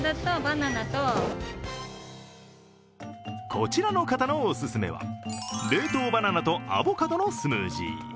こちらの方のお勧めは冷凍バナナとアボカドのスムージー。